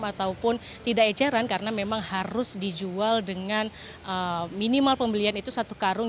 ataupun tidak eceran karena memang harus dijual dengan minimal pembelian itu satu karung